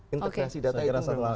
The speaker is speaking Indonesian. integrasi data itu